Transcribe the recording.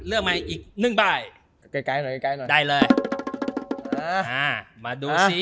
เลือกใหม่อีกนึงบ้ายใกล้หน่อยได้เลยอ๋อมาดูสิ